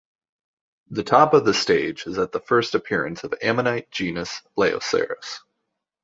The top of the stage is at the first appearance of ammonite genus "Leioceras".